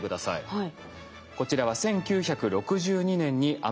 はい。